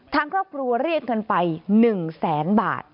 ทางครอบครัวเรียกเงินไป๑แสนบาท